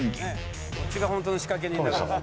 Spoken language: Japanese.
「こっちが本当の仕掛け人だから」